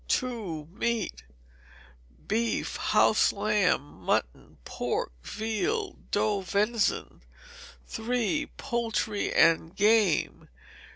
ii. Meat. Beef, house lamb, mutton, pork, veal, doe venison. iii. Poultry and Game.